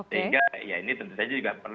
sehingga ya ini tentu saja juga perlu